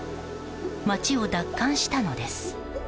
街を奪還したのです。